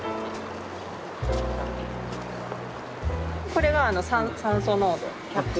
これが酸素濃度１００。